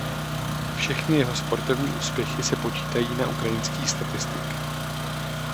Všechny jeho sportovní úspěchy se počítají na ukrajinských statistik.